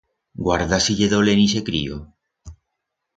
Guarda si ye dolent ixe crío.